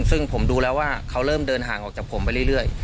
ซึ่งผมดูแล้วว่าเขาเริ่มเดินห่างออกจากผมไปเรื่อย